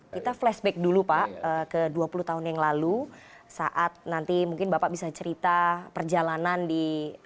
kita flashback dulu pak ke dua puluh tahun yang lalu saat nanti mungkin bapak bisa cerita perjalanan di